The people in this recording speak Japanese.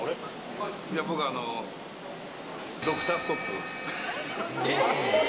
僕、あの、ドクターストップ。